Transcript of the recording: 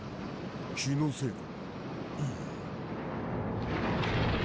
気のせいか。